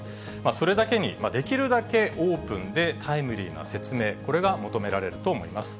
それだけに、できるだけオープンでタイムリーな説明、これが求められると思います。